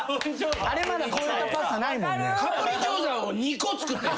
あれまだ超えたパスタないもんね。